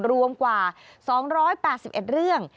รวมกว่า๒๘๑เรื่อง